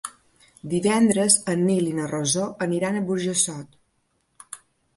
Divendres en Nil i na Rosó aniran a Burjassot.